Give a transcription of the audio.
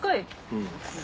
うん。